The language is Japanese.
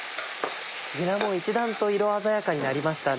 にらも一段と色鮮やかになりましたね。